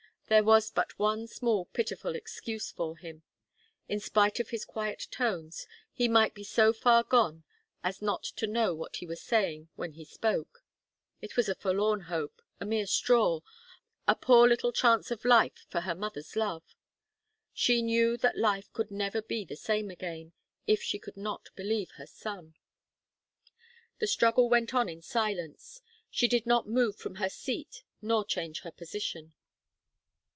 There was but one small, pitiful excuse for him. In spite of his quiet tones, he might be so far gone as not to know what he was saying when he spoke. It was a forlorn hope, a mere straw, a poor little chance of life for her mother's love. She knew that life could never be the same again, if she could not believe her son. The struggle went on in silence. She did not move from her seat nor change her position.